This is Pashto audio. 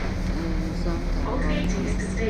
ځان ته رباب جوړوم